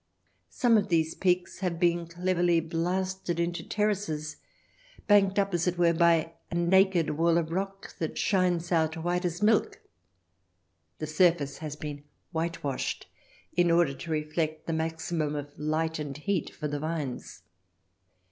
Some of these peaks have been cleverly blasted into terraces, banked up, as it were, by a naked wall of rock that shines out white as milk. The surface has been whitewashed in order to reflect the maximum of light and heat for the vines.